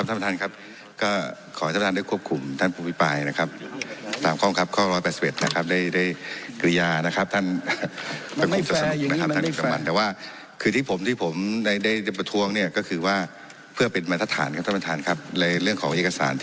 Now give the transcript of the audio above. มันไม่แฟร์อย่างนี้มันไม่แฟร์